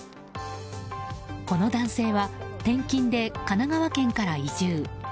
この男性は転勤で神奈川県から移住。